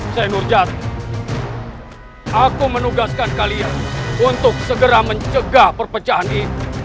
sengur jari aku menugaskan kalian untuk segera mencegah perpecahan ini